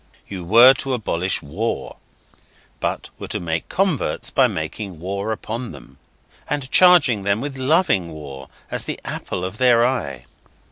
You were to abolish war, but were to make converts by making war upon them, and charging them with loving war as the apple of their eye.